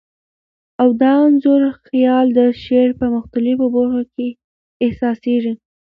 او د انځور خیال د شعر په مختلفو بر خو کي احسا سیږی.